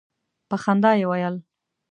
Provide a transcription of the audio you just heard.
په خندا یې ویل.